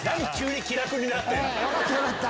よかったよかった！